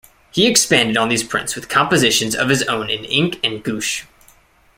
He expanded on these prints with compositions of his own in ink and gouache.